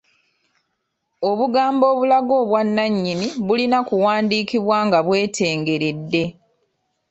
Obugambo obulaga obwannannyini bulina kuwandiikibwa nga bwetengeredde.